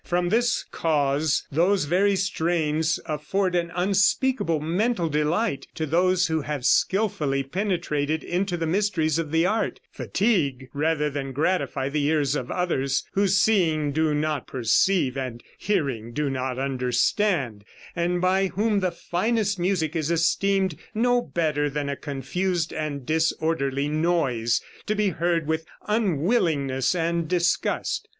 From this cause those very strains afford an unspeakable mental delight to those who have skillfully penetrated into the mysteries of the art; fatigue rather than gratify the ears of others, who seeing do not perceive, and hearing do not understand, and by whom the finest music is esteemed no better than a confused and disorderly noise, to be heard with unwillingness and disgust.